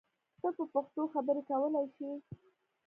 ته په پښتو خبری کولای شی!